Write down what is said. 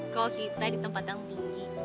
kalau kita di tempat yang tinggi